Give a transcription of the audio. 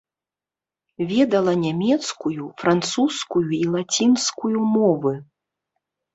Ведала нямецкую, французскую і лацінскую мовы.